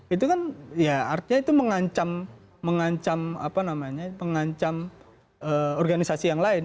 itu kan ya artinya itu mengancam apa namanya pengancam organisasi yang lain